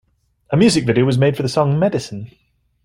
A music video was made for the song "Medicine".